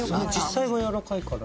実際はやわらかいから。